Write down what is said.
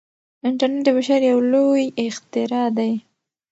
انټرنیټ د بشر یو لوی اختراع دی.